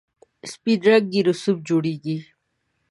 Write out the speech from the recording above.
سپین رنګی رسوب جوړیږي.